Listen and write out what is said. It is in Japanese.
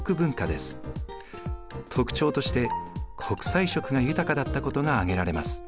特徴として国際色が豊かだったことが挙げられます。